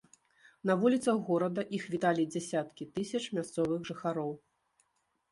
На вуліцах горада іх віталі дзясяткі тысяч мясцовых жыхароў.